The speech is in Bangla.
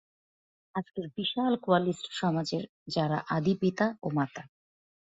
আজকের বিশাল কোয়ালিস্ট সমাজের যারা আদি পিতা ও মাতা।